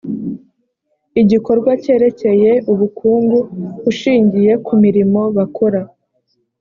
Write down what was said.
igikorwa cyerekeye ubukungu ushingiye kumirimo bakora